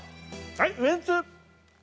はいウエンツ。